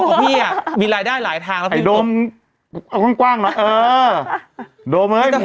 ของพี่มีหลายได้หลายทางเดิมคร่วงเนาะ